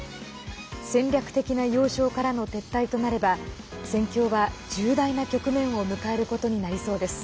戦略的な要衝からの撤退となれば戦況は重大な局面を迎えることになりそうです。